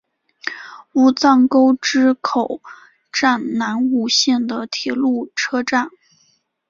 武藏沟之口站南武线的铁路车站。